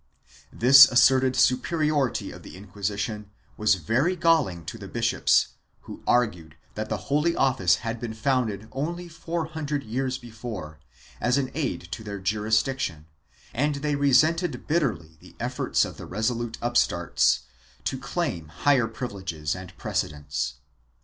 3 This asserted superiority of the Inquisition was very galling to the bishops, who argued that the Holy Office had been founded only four hundred years before, as an aid to their jurisdiction, and they resented bitterly the efforts of the resolute upstarts to claim higher privileges and precedence.